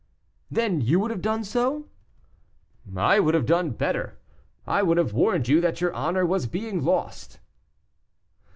"Then you would have done so?" "I would have done better; I would have warned you that your honor was being lost."